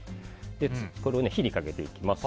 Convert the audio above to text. これを火にかけていきます。